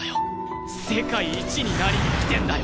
世界一になりに来てんだよ。